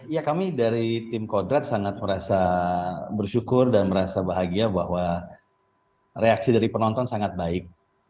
ya kami dari tim kodrat sangat merasa bersyukur dan merasa bahagia bahwa reaksi dari penonton sangat baik